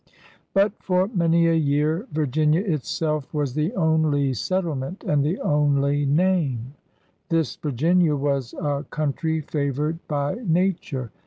But for many a year Virginia itself was the only 12 PIONEERS OP THE OLD SOUTH settlement and the only name. This Virginia was a country favored by nature.